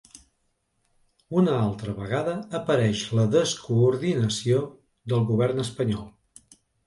Una altra vegada apareix la descoordinació del govern espanyol.